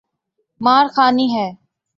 مار کھانی ہے؟